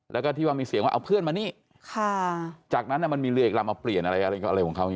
แล้วก็ที่ว่ามีเสียงว่าเอาเพื่อนมานี่จากนั้นมันมีเรือเอกลำมาเปลี่ยนอะไรอะไรของเขาอยู่